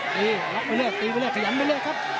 ล็อกไปเรื่อยตีไปเรื่อยขยันไปเรื่อยครับ